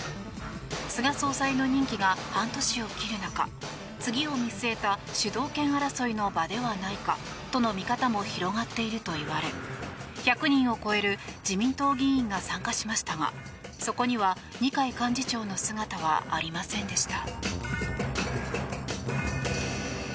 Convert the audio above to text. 菅総裁の任期が半年を切る中次を見据えた主導権争いの場ではないかとの見方も広がっているといわれ１００人を超える自民党議員が参加しましたがそこには二階幹事長の姿はありませんでした。